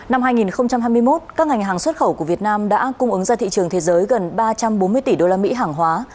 năm hai nghìn hai mươi một các ngành hàng xuất khẩu của việt nam đã cung ứng ra thị trường thế giới gần ba trăm bốn mươi tỷ usd hàng hóa